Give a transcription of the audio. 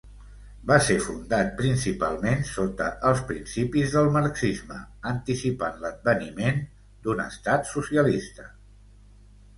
Va ser fundat principalment sota els principis del marxisme, anticipant l'adveniment d'un estat socialista.